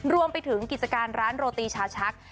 รวมไปถึงกิจการร้านโรตีชาชัก